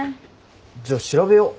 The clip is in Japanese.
じゃあ調べよう。